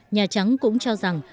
nhà trắng cũng cho rằng